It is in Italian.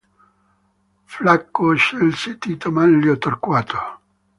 Flacco scelse Tito Manlio Torquato.